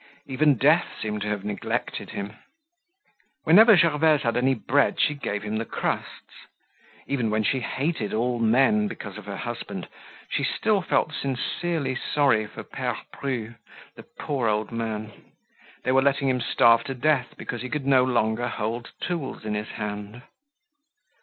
Even Death seemed to have neglected him. Whenever Gervaise had any bread she gave him the crusts. Even when she hated all men because of her husband, she still felt sincerely sorry for Pere Bru, the poor old man. They were letting him starve to death because he could no longer hold tools in his hand.